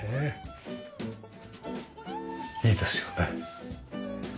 いいですよね。